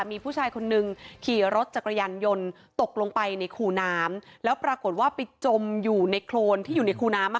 มีผู้ชายคนนึงขี่รถจักรยานยนต์ตกลงไปในคูน้ำแล้วปรากฏว่าไปจมอยู่ในโครนที่อยู่ในคูน้ำ